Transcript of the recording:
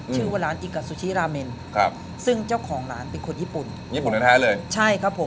ชื่อว่าร้านครับซึ่งเจ้าของร้านเป็นคนญี่ปุ่นญี่ปุ่นแท้เลยใช่ครับผม